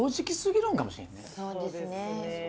そうですね。